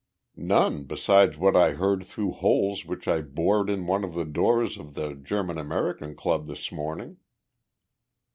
"None besides what I heard through holes which I bored in one of the doors of the German American Club this morning."